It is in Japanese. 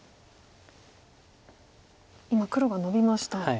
今黒がノビました。